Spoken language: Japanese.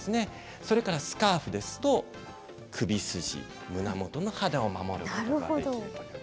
それからスカーフですと首筋、胸元の肌守ることができると。